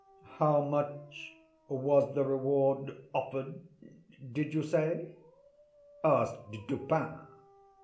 "How much was the reward offered, did you say?" asked Dupin.